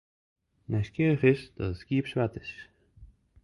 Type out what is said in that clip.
Nijsgjirrich is dat it skiep swart is.